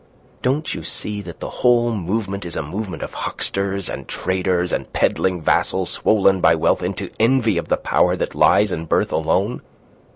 Don't you see that the whole movement is a movement of hucksters and traders and peddling vassals swollen by wealth into envy of the power that lies in birth alone?